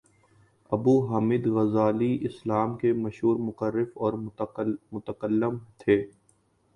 ابو حامد غزالی اسلام کے مشہور مفکر اور متکلم تھے